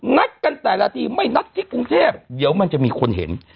นัดกันแต่ละทีไม่นัดที่กรุงเทพเดี๋ยวมันจะมีคนเห็น